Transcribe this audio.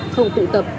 không tụ tập